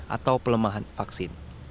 atau pelemahan vaksin